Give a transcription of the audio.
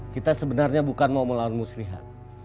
kita sebenarnya bukan mau melawan muslihat